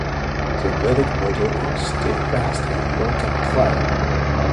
The village motto is "Steadfast in Work and Play".